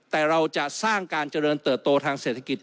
แต่เราจะสร้างการเจริญเติบโตทางเศรษฐกิจ